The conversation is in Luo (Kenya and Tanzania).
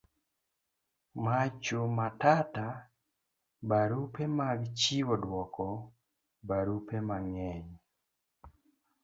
Macho Matata. barupe mag chiwo duoko. barupe mang'eny